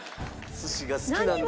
寿司が好きなんですね。